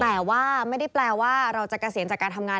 แต่ว่าไม่ได้แปลว่าเราจะเกษียณจากการทำงาน